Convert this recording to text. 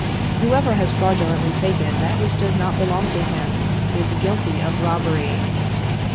Whoever has fraudulently taken that which does not belong to him, is guilty of robbery.